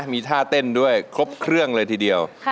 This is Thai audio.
มีท่าเต้นด้วยครบเครื่องเลยทีเดียว